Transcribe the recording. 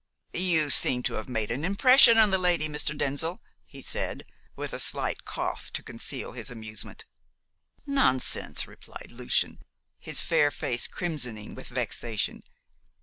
"You seem to have made an impression on the lady, Mr. Denzil," he said, with a slight cough to conceal his amusement. "Nonsense!" replied Lucian, his fair face crimsoning with vexation.